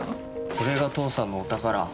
これが父さんのお宝。